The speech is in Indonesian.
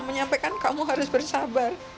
menyampaikan kamu harus bersabar